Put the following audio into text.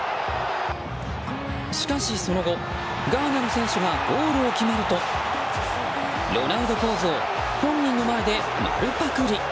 しかし、その後ガーナの選手がゴールを決めるとロナウドポーズを本人の前で丸パクリ。